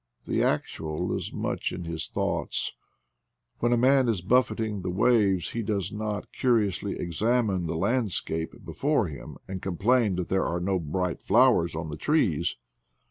The actual is much in his thoughts. When a man is buffeting the waves he does not curiously examine the landscape before him and complain that there are no bright flowers on the trees.